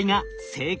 正解！